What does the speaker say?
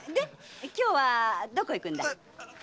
今日はどこ行くんだい？